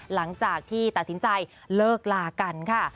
หลังจากที่ตัดสินใจเลิกลากันค่ะ